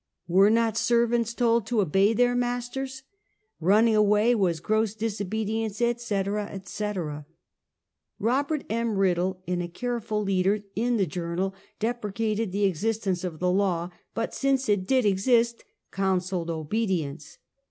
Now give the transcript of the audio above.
Were not servants told to obey their masters? Running away was gross disobedience, etc., etc. Robt. M. Piddle, in a careful leader in The Journal, deprecated the existence of the law; but since it did exist, counseled obedience.